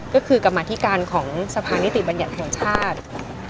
ก็คือกับมาทิการของสภาณิติบรรยาทหรภงชาติ